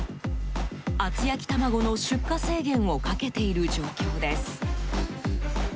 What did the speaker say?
厚焼玉子の出荷制限をかけている状況です。